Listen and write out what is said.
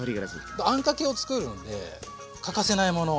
あんかけをつくるので欠かせないもの